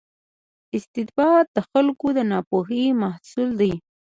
استبداد د خلکو د ناپوهۍ محصول دی.